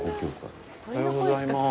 おはようございます。